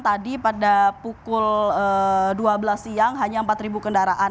tadi pada pukul dua belas siang hanya empat kendaraan